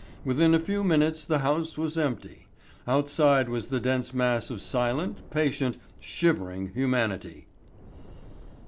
Within a few minutes the House was empty. Outside was the dense mass of silent, patient, shivering humanity.